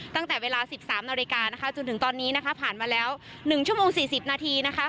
ตั้งแต่เวลา๑๓นาฬิกานะคะจนถึงตอนนี้นะคะผ่านมาแล้ว๑ชั่วโมง๔๐นาทีนะคะ